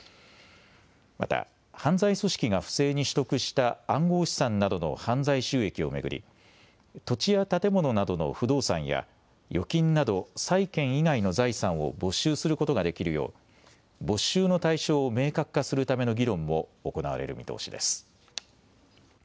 また犯罪組織が不正に取得した暗号資産などの犯罪収益を巡り土地や建物などの不動産や預金など債権以外の財産を没収することができるよう没収の対象を明確化するための議論も行われる見通しです。